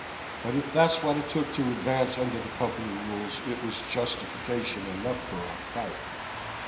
But if that's what it took to advance under the Company rules, it was justification enough for our fight.